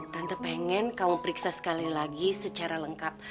tante pengen kamu periksa sekali lagi secara lengkap